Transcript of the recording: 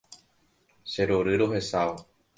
Cherory rohechávo